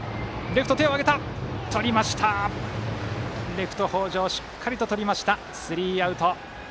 レフト、北條しっかりととってスリーアウト。